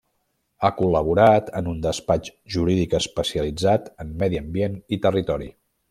Ha col·laborat en un despatx jurídic especialitzat en Medi Ambient i Territori.